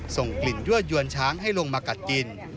ส่งกลิ่นยั่วยวนช้างให้ลงมากัดกิน